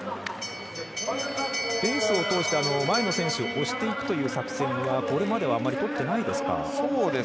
レースを通して前の選手を押していく作戦はこれまではあまりとっていないですか。